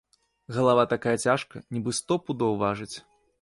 Галава такая цяжкая, нібы сто пудоў важыць.